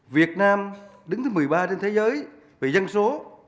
việt nam đứng thứ một mươi ba trên thế giới về dân số